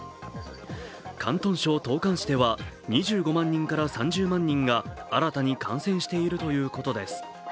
広東省東莞市では２５万人から３０万人が新たに感染しているということです。